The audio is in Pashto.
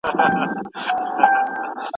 په خپل زړه کي د مرګې پر کور مېلمه سو